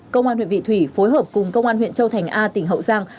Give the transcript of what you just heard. công an huyện vị thủy phối hợp cùng công an huyện châu thành a tỉnh hậu giang